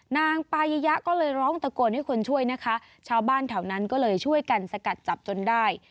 นางปายะก็เลยร้องตะโกนให้คนช่วยนะคะชาวบ้านแถวนั้นก็เลยช่วยกันสกัดจับจนได้